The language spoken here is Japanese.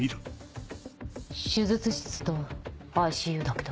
手術室とＩＣＵだけど。